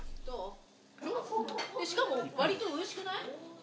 しかも割とおいしくない？